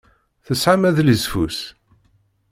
Tesɛam adlisfus?